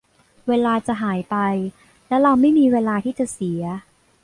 เวลาจะหายไปและเราไม่มีเวลาที่จะเสีย